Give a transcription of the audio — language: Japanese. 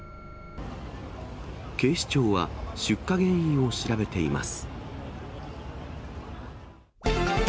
警視庁は、出火原因を調べています。